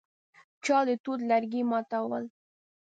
چا د توت لرګي ماتول.